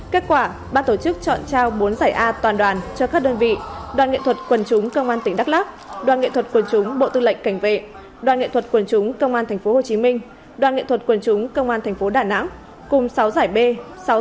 kết quả ban tổ chức chọn trao bốn giải a toàn đoàn cho các đơn vị đoàn nghệ thuật quần chúng công an tỉnh đắk lắk đoàn nghệ thuật quần chúng bộ tư lệnh cảnh vệ đoàn nghệ thuật quần chúng công an tp hcm đoàn nghệ thuật quần chúng công an tp đà nẵng cùng sáu giải b sáu giải c và hai giải quân khích cho đoàn nghệ thuật